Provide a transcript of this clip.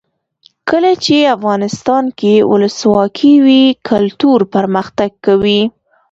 کله چې افغانستان کې ولسواکي وي کلتور پرمختګ کوي.